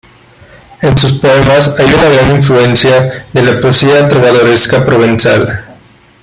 En sus poemas hay una gran influencia de la poesía trovadoresca provenzal.